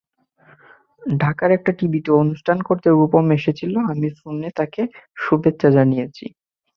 ঢাকার একটা টিভিতে অনুষ্ঠান করতে রূপম এসেছিল, আমি ফোনে তাকে শুভেচ্ছা জানিয়েছি।